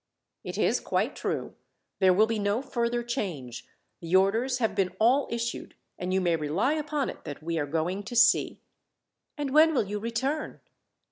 "It is quite true. There will be no further change. The orders have been all issued, and you may rely upon it that we are going to sea." "And when will you return?"